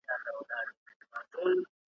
سپيني لېچي سره لاسونه `